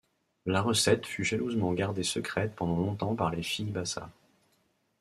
La recette fut jalousement gardée secrète pendant longtemps par les filles Bassa.